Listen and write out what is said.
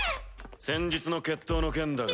先日の決闘の件だが。